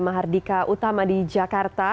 mahardika utama di jakarta